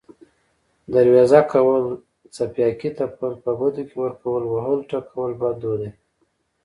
دروېزه کول، څپياکې تپل، په بدو کې ورکول، وهل، ټکول بد دود دی